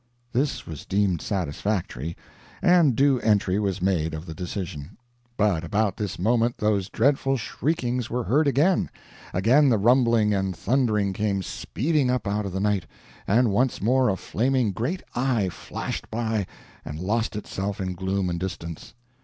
This was deemed satisfactory, and due entry was made of the decision. But about this moment those dreadful shriekings were heard again; again the rumbling and thundering came speeding up out of the night; and once more a flaming great eye flashed by and lost itself in gloom and distance.